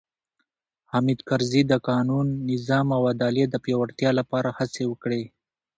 حامد کرزي د قانون، نظم او عدلیې د پیاوړتیا لپاره هڅې وکړې.